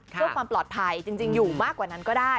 เพื่อความปลอดภัยจริงอยู่มากกว่านั้นก็ได้